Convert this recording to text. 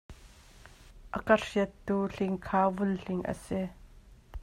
A ka hriattu hling kha vul hling a si.